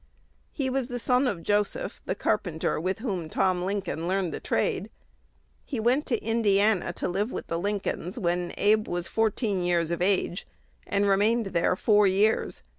He was the son of Joseph, the carpenter with whom Tom Lincoln learned the trade. He went to Indiana to live with the Lincolns when Abe was fourteen years of age, and remained there four years.